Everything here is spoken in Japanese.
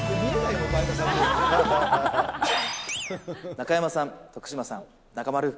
中山さん、徳島さん、中丸。